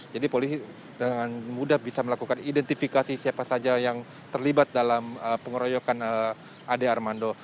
jadi polisi dengan mudah bisa melakukan identifikasi siapa saja yang terlibat dalam pengeroyokan ade armando